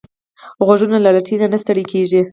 غوږونه له لټۍ نه نه ستړي کېږي